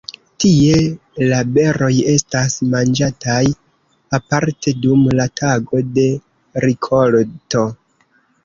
Tie la beroj estas manĝataj aparte dum la Tago de rikolto.